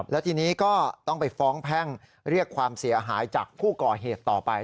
แล้วทีนี้ก็ต้องไปฟ้องแพ่งเรียกความเสียหายจากผู้ก่อเหตุต่อไป